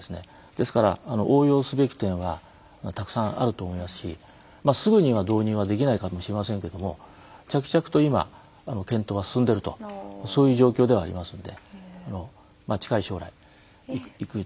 ですから応用すべき点はたくさんあると思いますしすぐには導入はできないかもしれませんけども着々と今検討は進んでいるとそういう状況ではありますんで近い将来。